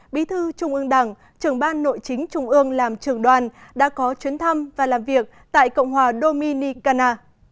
bí thư trung ương đảng trưởng ban nội chính trung ương làm trưởng đoàn đã có chuyến thăm và làm việc tại cộng hòa dominicana